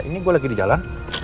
ini gue lagi di jalan